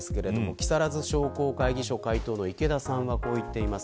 木更津商工会議所会頭の池田さんはこう言っています。